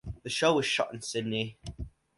The show was shot in Sydney.